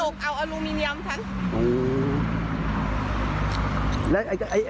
มันมาทุบกระจกเอาอลูมิเนียมฉัน